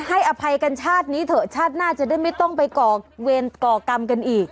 อภัยกันชาตินี้เถอะชาติหน้าจะได้ไม่ต้องไปก่อเวรก่อกรรมกันอีก